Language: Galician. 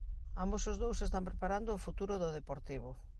Ambos os dous están preparando o futuro do Deportivo.